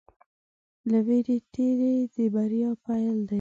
له وېرې تېری د بریا پيل دی.